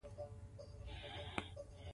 ور کولاو کړه